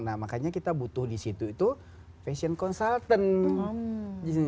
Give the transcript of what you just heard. nah makanya kita butuh disitu itu fashion consultant